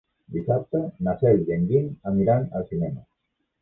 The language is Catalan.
Dissabte na Cel i en Guim aniran al cinema.